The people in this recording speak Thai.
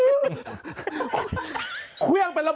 เช็ดแรงไปนี่